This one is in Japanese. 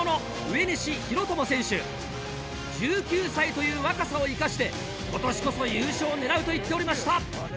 「１９歳という若さを生かして今年こそ優勝を狙う」と言っておりました。